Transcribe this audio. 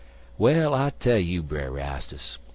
"Well, I tell you, Brer Rastus.